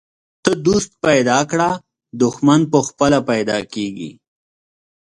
ته دوست پیدا کړه، دښمن پخپله پیدا کیږي.